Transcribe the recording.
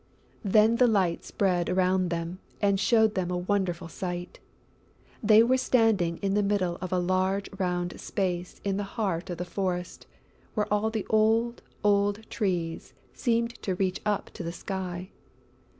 Then the light spread around them and showed them a wonderful sight. They were standing in the middle of a large round space in the heart of the forest, where all the old, old Trees seemed to reach up to the sky.